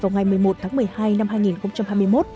vào ngày một mươi một tháng một mươi hai năm hai nghìn hai mươi một